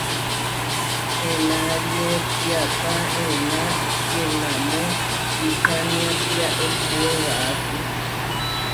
Enariótiata ená kienamó tučaniátia ehpéo waʼási.